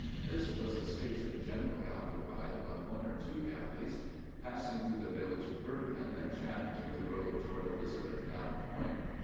This was a station generally occupied by one or two galleys. Passing through the village of Bergen, Champe took the road toward Elizabethtown Point.